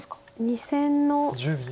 ２線の。